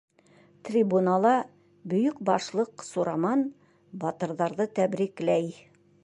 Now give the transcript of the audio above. Трибунала Бөйөк Башлыҡ Сураман батырҙарҙы тәбрикләй.